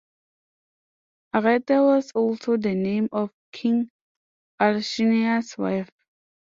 Arete was also the name of King Alcinous's wife.